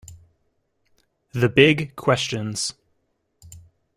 The Big Questions.